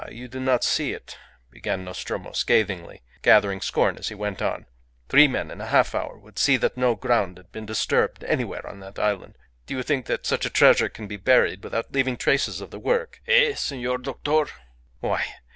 "Ah! You do not see it," began Nostromo, scathingly, gathering scorn as he went on. "Three men in half an hour would see that no ground had been disturbed anywhere on that island. Do you think that such a treasure can be buried without leaving traces of the work eh! senor doctor? Why!